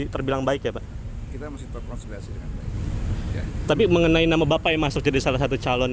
tidak berat tuhan tuhan setiap mungkin saya mencalon